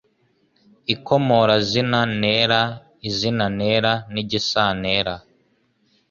ikomorazina, ntera, izina ntera n'igisantera,